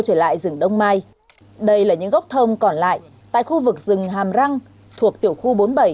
sẽ đặt tên là dựng đông mai đây là những gốc thông còn lại tại khu vực rừng hàm răng thuộc tiểu khu bốn mươi bảy